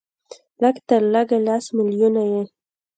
لږ تر لږه لس ملیونه یې